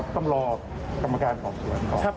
ต้องรอกรรมการสอบสวนก่อน